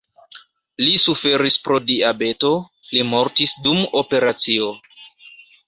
Li suferis pro diabeto, li mortis dum operacio.